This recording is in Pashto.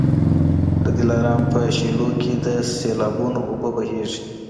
د دلارام په شېلو کي د سېلابونو اوبه بهیږي